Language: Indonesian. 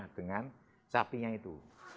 dengan sapinya itu